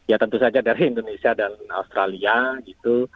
ya tentu saja dari indonesia dan australia gitu